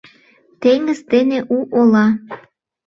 — Теҥыз дене у ола –